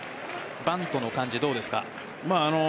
バントの感じ、どうですか？